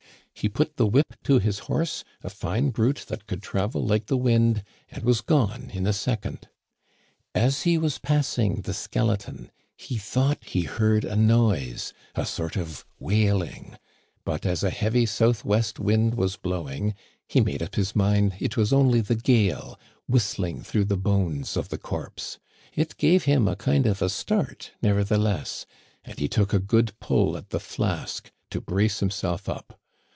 He put the whip to his horse, a fine brute that could travel like the wind, and was gone in a second. " As he was passing the skeleton, he thought he heard a noise, a sort of wailing; but, as a heavy southwest wind was blowing, be made up his mind it was only the gale whistling through the bones of the corpse. It gave him a kind of a start, nevertheless, and he took a good pull at the flask to brace himself up.